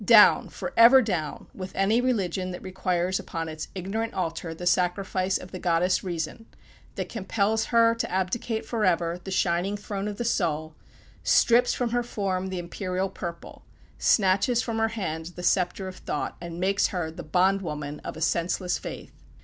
Down, forever down, with any religion that requires upon its ignorant altar the sacrifice of the goddess Reason, that compels her to abdicate forever the shining throne of the soul, strips from her form the imperial purple; snatches from her hand the sceptre of thought and makes her the bondwoman of a senseless faith!